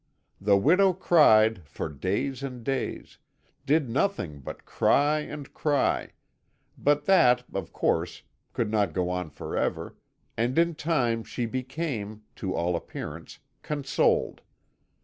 The widow cried for days and days did nothing but cry and cry, but that, of course, could not go on forever, and in time she became, to all appearance, consoled.